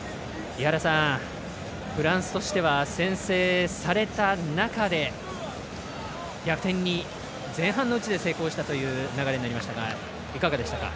フランスとしては先制された中で逆転に前半のうちで成功したという流れになりましたがいかがでしたか？